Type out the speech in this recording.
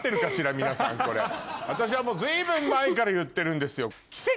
私は随分前から言ってるんですよ。